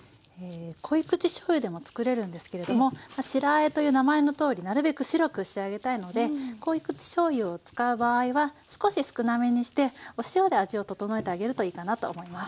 こい口しょうゆでもつくれるんですけれども白あえという名前のとおりなるべく白く仕上げたいのでこい口しょうゆを使う場合は少し少なめにしてお塩で味を調えてあげるといいかなと思います。